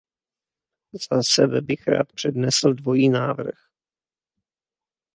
Za sebe bych rád přednesl dvojí návrh.